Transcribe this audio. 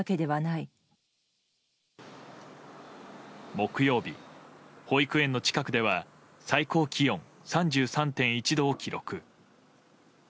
木曜日、保育園の近くでは最高気温３３．１度を記録。